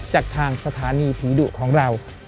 จากทางสถานีผีดุของเรา